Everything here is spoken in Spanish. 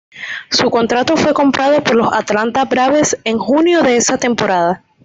Su contrato fue comprado por los Atlanta Braves en junio de esa temporada.